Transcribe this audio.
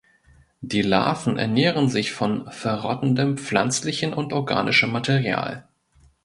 Die Larven ernähren sich von verrottendem pflanzlichen und organischem Material.